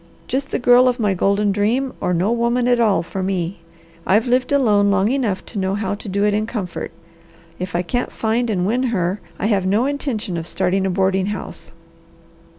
Just the girl of my golden dream or no woman at all for me. I've lived alone long enough to know how to do it in comfort. If I can't find and win her I have no intention of starting a boarding house."